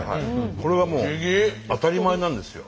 これがもう当たり前なんですよ。